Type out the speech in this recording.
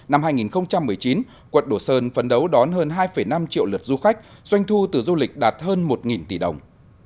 năm hai nghìn một mươi chín quận đồ sơn phấn đấu đón hơn hai năm triệu lượt du khách doanh thu từ du lịch đạt hơn một tỷ đồng